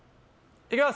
いきます！